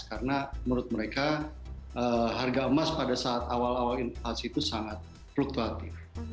karena menurut mereka harga emas pada saat awal awal invasi itu sangat fluktuatif